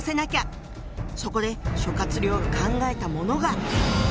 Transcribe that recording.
そこで諸亮が考えたものが。